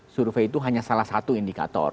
survei itu hanya salah satu indikator